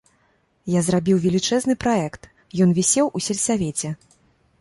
Я зрабіў велічэзны праект, ён вісеў у сельсавеце.